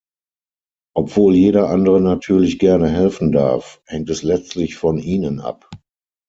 Obwohl jeder andere natürlich gerne helfen darf, hängt es letztlich von ihnen ab.